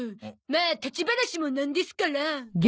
まあ立ち話もなんですから。